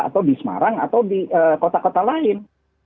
atau di semarang atau di kota kota lain